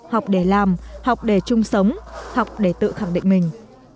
học để làm học để chung sống học để tự khẳng định mình